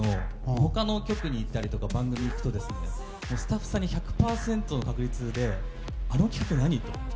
他の局とか番組に行くとスタッフさんに１００％の確率であの企画、何？って。